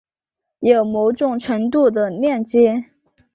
有某种程度的链接